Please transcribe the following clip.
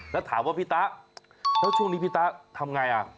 ถ้าถามว่าพี่ต๊าแล้วช่วงนี้พี่ต๊าทำอย่างไร